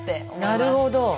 なるほど。